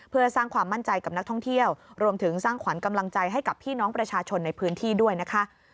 เพื่อสร้างความมั่นใจกับนักท่องเที่ยวรวมถึงสร้างขวัญกำลังใจให้กับพี่น้องประชาชนในพื้นที่ด้วยนะคะ